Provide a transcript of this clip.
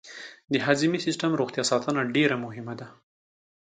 د هضمي سیستم روغتیا ساتنه ډېره مهمه ده.